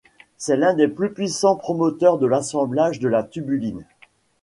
C'est l'un des plus puissants promoteurs de l'assemblage de la tubuline.